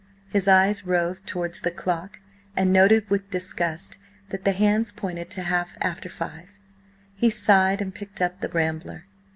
His eyes roved towards the clock, and noted with disgust that the hands pointed to half after five. He sighed and picked up the Rambler.